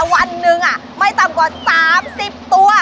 วันหนึ่งไม่ต่ำกว่า๓๐ตัว